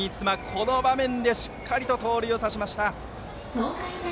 この場面でしっかり盗塁を刺しました。